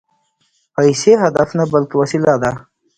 پیسې هدف نه، بلکې وسیله ده